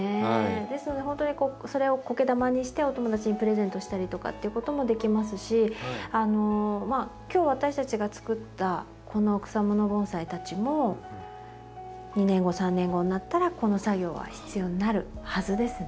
ですのでほんとにそれをコケ玉にしてお友達にプレゼントしたりとかっていうこともできますし今日私たちがつくったこの草もの盆栽たちも２年後３年後になったらこの作業は必要になるはずですね。